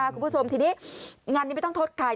คุณผู้ชมทีนี้งานนี้ไม่ต้องโทษใคร